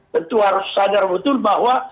tentu harus sadar betul bahwa